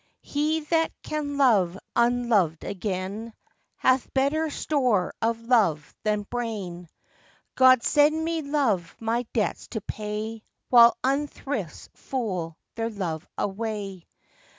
He that can love unlov'd again, Hath better store of love than brain: God send me love my debts to pay, While unthrifts fool their love away.